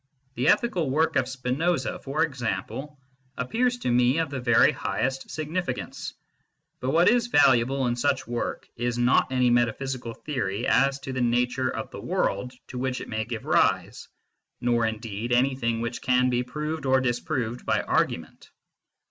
The ethical work of Spinoza, for ex ample, appears to me of the very highest significance, but what is valuable in such work is not any meta physical theory as to the nature of the world to which it may give rise, nor indeed anything which can be proved or disproved by argument.